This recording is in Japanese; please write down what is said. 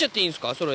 それ。